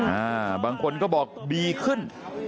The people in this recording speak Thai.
อ่าบางคนก็บอกดีขึ้น